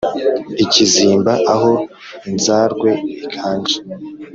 Ikizimba aho inzarwe iganje